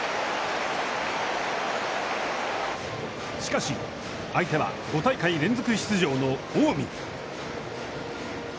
しかし相手は５大会連続出場の近江。